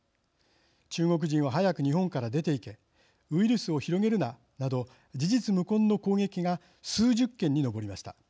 中国人は早く日本から出ていけウイルスを広げるな、など事実無根の攻撃が数十件に上りました。